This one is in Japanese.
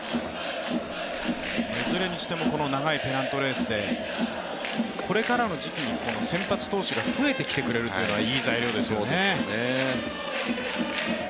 いずれにしても、この長いペナントレースでこれからの時期に先発投手が増えてくるというのはいい材料ですよね。